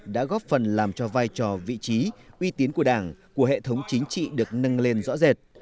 đã góp phần làm cho vai trò vị trí uy tín của đảng của hệ thống chính trị được nâng lên rõ rệt